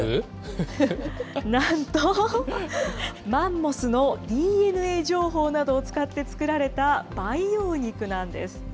なんと、マンモスのＤＮＡ情報などを使って作られた培養肉なんです。